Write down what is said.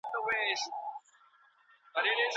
يا هم د خاوند له ميرمني سره جوړه نه وي.